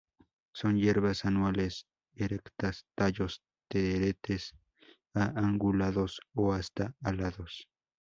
Son hierbas anuales, erectas; tallos teretes a angulados o hasta alados.